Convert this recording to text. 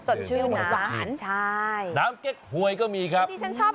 สดชื่องน้ำน้ำเก็กหวยก็มีครับ